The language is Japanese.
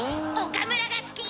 岡村が好き！